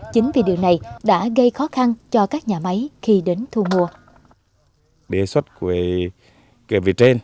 chính vì điều này đã gây khó khăn cho các nhà máy khi đến thu mua